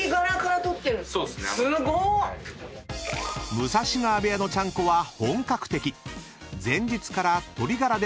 ［武蔵川部屋のちゃんこは本格的］